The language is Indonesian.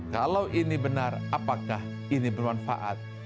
kalau ini benar apakah ini bermanfaat